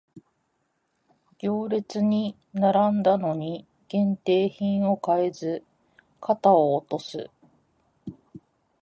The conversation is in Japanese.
行列に並んだのに限定品を買えず肩を落とす